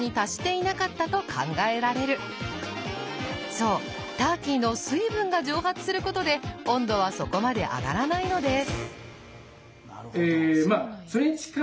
そうターキーの水分が蒸発することで温度はそこまで上がらないのです。